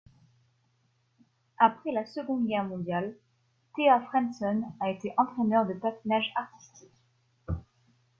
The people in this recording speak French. Après la Seconde Guerre mondiale, Thea Frenssen a été entraîneur de patinage artistique.